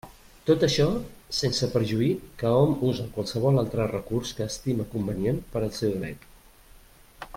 Tot això sense perjuí que hom use qualsevol altre recurs que estime convenient per al seu dret.